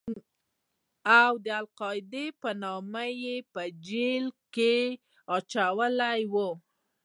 او د القاعده په نوم يې په جېل کښې اچولى و.